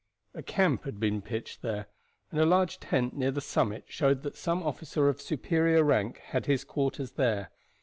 A camp had been pitched there, and a large tent near the summit showed that some officer of superior rank had his quarters there.